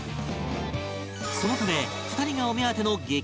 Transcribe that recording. そのため２人がお目当ての激